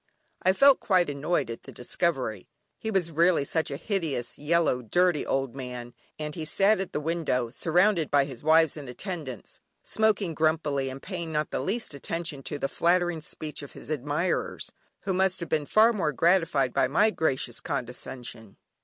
I felt quite annoyed at the discovery. He was really such a hideous, yellow, dirty old man, and he sat at the window, surrounded by his wives and attendants, smoking grumpily, and paying not the least attention to the flattering speech of his admirers, who must have been far more gratified by my gracious condescension.